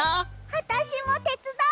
あたしもてつだう！